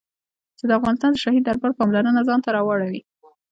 چې د افغانستان د شاهي دربار پاملرنه ځان ته را واړوي.